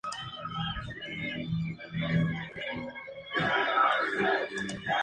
Aproximadamente dos tercios de sus cerca de centenar de miembros del personal trabajan allí.